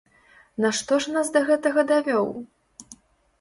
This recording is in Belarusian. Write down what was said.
Нашто ж нас да гэтага давёў?